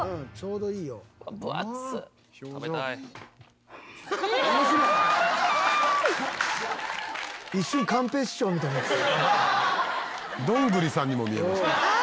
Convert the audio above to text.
どんぐりさんにも見えました。